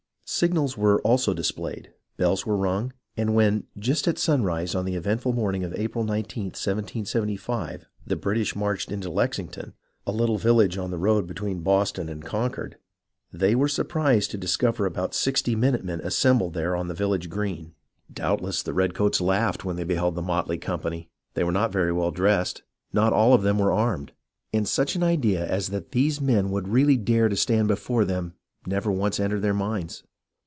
Signals were also displayed, bells were rung, and when, just at sunrise on the eventful morning of April 19, 1775, the British marched into Lexington, a little village on the road between Boston and Concord, they were surprised to dis cover about sixty minute men assembled there on the village green. Doubtless the redcoats laughed when they beheld the motley company. They were not very well dressed, not all of them were armed, and such an idea as that these men would really dare to stand before them never once entered their minds.